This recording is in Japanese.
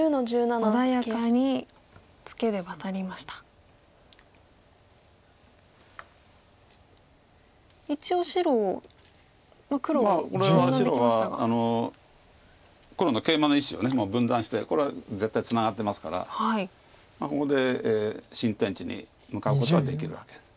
これは白は黒のケイマの１子を分断してこれは絶対ツナがってますからここで新天地に向かうことはできるわけで。